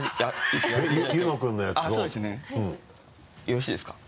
よろしいですか？